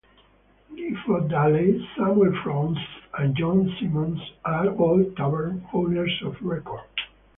Gifford Dalley, Samuel Fraunces and John Simmons are all Tavern owners of record.